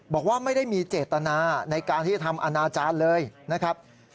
บอกว่าไม่ได้มีเจตนาในการที่จะทำอนาจารย์เลยนะครับ